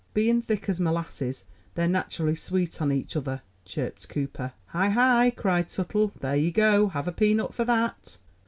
"Being thick as molasses, they're naturally sweet on each other," chirped Cooper. "Hi! Hi!" cried Tuttle. "There you go! Have a peanut for that."